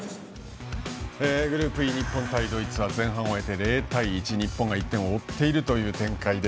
グループＥ日本対ドイツは前半を終えて０対１と日本が１点を追うという展開。